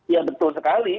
ya betul sekali